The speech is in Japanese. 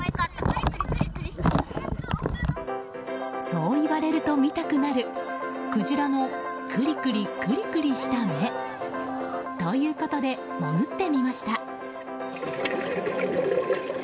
そう言われると見たくなるクジラのくりくり、くりくりした目。ということで、潜ってみました。